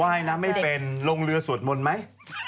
ว่ายน้ำไม่เป็นลงเรือสวดมนต์ไหม